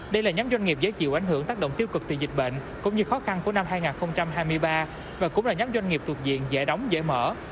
đây là nhóm doanh nghiệp dễ chịu ảnh hưởng tác động tiêu cực từ dịch bệnh cũng như khó khăn của năm hai nghìn hai mươi ba và cũng là nhóm doanh nghiệp thuộc diện giải đóng giải mở